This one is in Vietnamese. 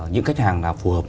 những khách hàng nào phù hợp